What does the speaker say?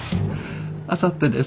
あさってです。